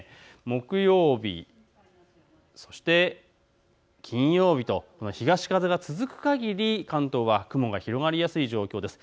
木曜日、そして金曜日と東風が続くかぎり関東は雲が広がりやすい状況です。